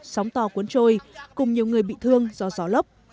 sóng to cuốn trôi cùng nhiều người bị thương do gió lốc